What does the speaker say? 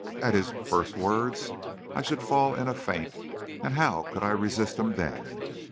At his first words I should fall in a faint; and how could I resist him then?